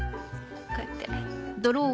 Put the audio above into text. こうやって。